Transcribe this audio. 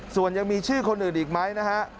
ส่วนยังมีชื่อคนอื่นอีกไหมนะฮะ